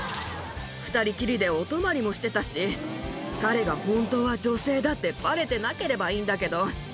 ２人きりでお泊まりもしてたし、彼が本当は女性だってばれてなければいいんだけど。